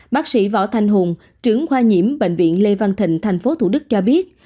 bác sĩ võ thanh hùng trưởng khoa nhiễm bệnh viện lê văn thịnh tp thủ đức cho biết